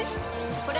これ！